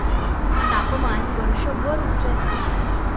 तापमान वर्षभर उच्च असते.